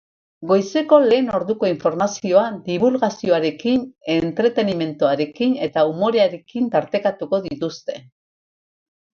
Goizeko lehen orduko informazioa, dibulgazioarekin, entretenimenduarekin eta umorearekin tartekatuko dituzte.